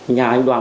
nhà anh đoàn